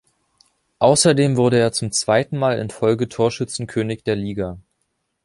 Außerdem wurde er zum zweiten Mal in Folge Torschützenkönig der Liga.